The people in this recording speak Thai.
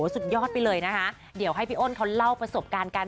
สุดยอดไปเลยเดี๋ยวให้พี่โอนเขาเล่าประสบการณ์